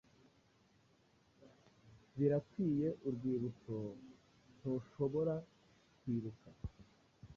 Birakwiye Urwibuto Ntushobora kwibuka